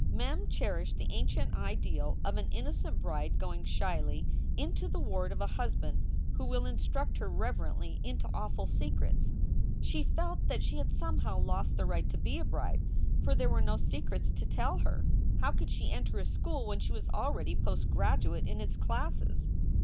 Mem cherished the ancient ideal of an innocent bride going shyly into the ward of a husband who will instruct her rev erently into awful secrets. She felt that she had somehow lost the right to be a bride, for there were no secrets to tell her. How could she enter a school when she was already postgraduate in its classes